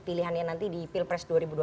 pilihannya nanti di pilpres dua ribu dua puluh